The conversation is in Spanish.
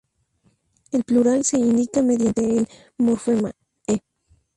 El plural se indica mediante el morfema -e.